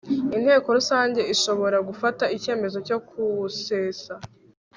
inteko rusange ishobora gufata icyemezo cyo kuwusesa